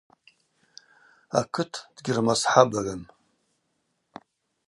Акыт дгьырмасхӏабагӏвым.